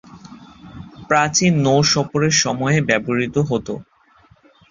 প্রাচীন নৌ সফরের সময়ে ব্যবহৃত হত।